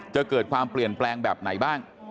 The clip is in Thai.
จะเกิดความเปลี่ยนแปลงแบบไหนบ้าง